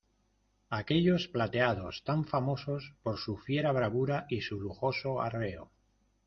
¡ aquellos plateados tan famosos por su fiera bravura y su lujoso arreo!